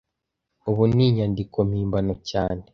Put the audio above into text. Ubu ni inyandiko mpimbano cyane